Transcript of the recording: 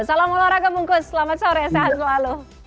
salam olahraga bung kus selamat sore sehat selalu